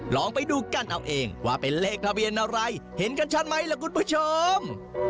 ลองไปดูกันเอาเองว่าเป็นเลขทะเบียนอะไรเห็นกันชัดไหมล่ะคุณผู้ชม